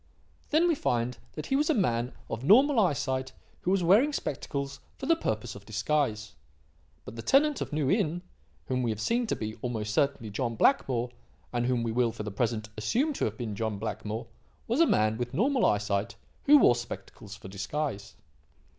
"Then we find that he was a man of normal eyesight who was wearing spectacles for the purpose of disguise. But the tenant of New Inn, whom we have seen to be, almost certainly, John Blackmore and whom we will, for the present, assume to have been John Blackmore was a man with normal eyesight who wore spectacles for disguise.